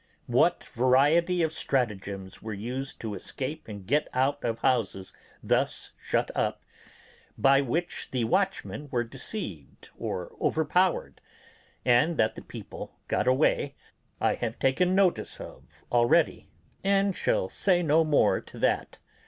What variety of stratagems were used to escape and get out of houses thus shut up, by which the watchmen were deceived or overpowered, and that the people got away, I have taken notice of already, and shall say no more to that.